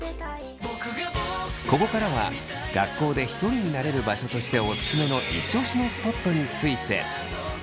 ここからは学校でひとりになれる場所としてオススメのイチオシのスポットについて。